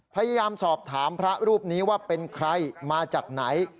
พยายามสอบถามพระรูปนี้ว่าเป็นใครมาจากไหน